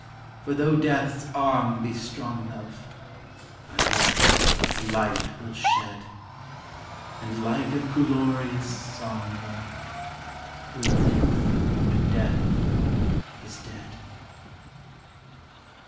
For though Deathâs arm be strong, love, Our love its light will shed, And like a glorious song, love, Will live when Death is dead.